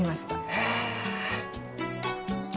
へえ。